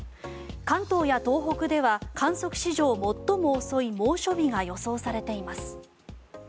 関東や東北では観測史上最も遅い猛暑日が予想されています。